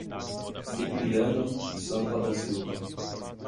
Cipriano Sampa da Silva